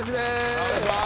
お願いします